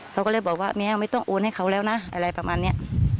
เขาก็เลยบอกว่าแมวไม่ต้องโอนให้เขาแล้วนะอะไรประมาณนี้